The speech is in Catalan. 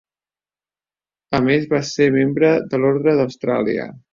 A més va ser membre de l'Orde d'Austràlia.